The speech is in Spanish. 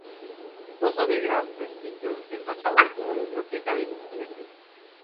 Goza de gran prestigio internacional como biblioteca de investigación.